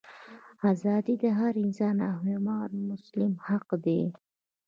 ازادي د هر انسان او حیوان مسلم حق دی.